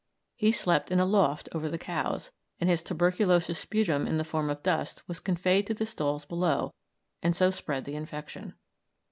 He slept in a loft over the cows, and his tuberculous sputum in the form of dust was conveyed to the stalls beneath and so spread the infection.